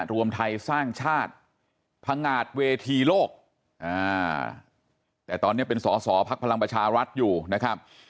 รวมไทยสร้างชาติพังงาดเวทีโลกแต่ตอนนี้เป็นสอสอพักพลังประชารัฐอยู่นะครับ